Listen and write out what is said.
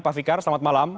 pak fikar selamat malam